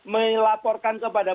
melaporkan ke pemerintah